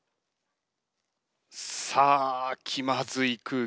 さあ気まずい空気。